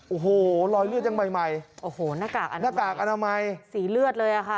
โอ้โหรอยเลือดยังใหม่ใหม่โอ้โหหน้ากากอนามหน้ากากอนามัยสีเลือดเลยอ่ะค่ะ